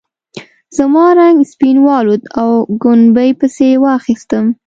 زما رنګ سپین والوت او ګبڼۍ پسې واخیستم.